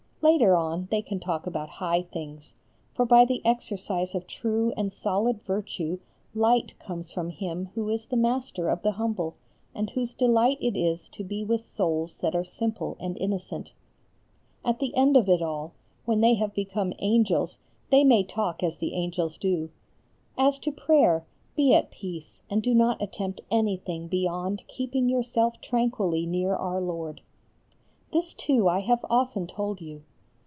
Later on they can talk about high things for by the exercise of true and solid virtue light comes from Him who is the Master of the humble, and whose delight it is to be with souls that are simple and innocent. At the end of all, when they have become Angels, they may talk as the Angels do. As to prayer, be at peace and do not attempt anything beyond keeping yourself tranquilly near Our Lord. This too I have often told you.